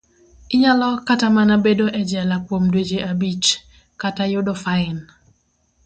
Inyalo kata mana bedo e jela kuom dweche abich, kata yudo fain.